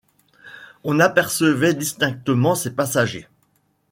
On apercevait distinctement ses passagers.